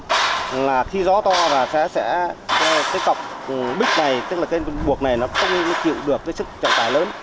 thì là khi gió to và sẽ cho cái cọc bích này tức là cái buộc này nó không chịu được cái sức trạng tài lớn